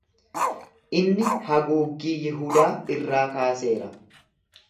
Inni haguuggii Yihudaa irraa kaaseera.